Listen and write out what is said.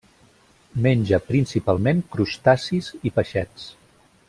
Menja principalment crustacis i peixets.